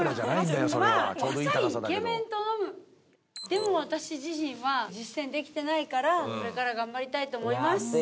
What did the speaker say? でも私自身は実践できてないからこれから頑張りたいと思います。